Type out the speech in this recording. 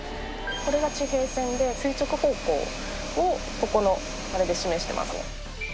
これが地平線で、垂直方向をここのあれで示してますね。